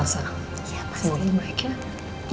semoga lo baik ya